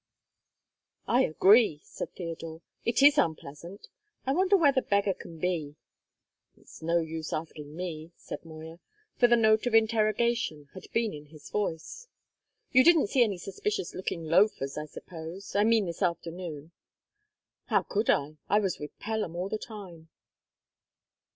"I agree," said Theodore. "It is unpleasant. I wonder where the beggar can be?" "It's no use asking me," said Moya; for the note of interrogation had been in his voice. "You didn't see any suspicious looking loafers, I suppose? I mean this afternoon." "How could I? I was with Pelham all the time."